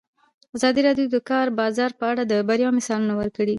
ازادي راډیو د د کار بازار په اړه د بریاوو مثالونه ورکړي.